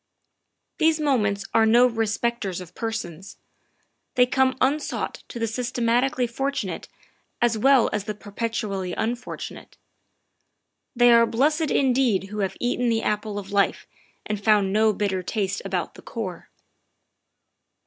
These moments are no respecters of persons; they come unsought to the systematically fortunate as well as the perpetually unfortunate. They are blessed indeed who have eaten the apple of life and found no bitter taste about the core.